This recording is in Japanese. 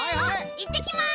いってきます。